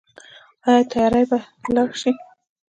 آیا تیارې به لاړې شي؟